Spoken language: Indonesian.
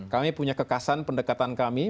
kami punya kekasan pendekatan kami